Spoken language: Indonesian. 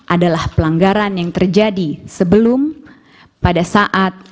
adalah pelanggaran yang terjadi sebelum pada saat